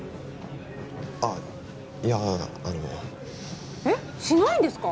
あっいやあのえっしないんですか？